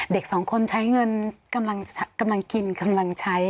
เด็กสองคนใช้เงินกำลังกินกำลังใช้